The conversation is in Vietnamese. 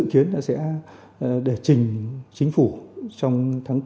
chiến đã sẽ để trình chính phủ trong tháng năm hai trăm một mươi chín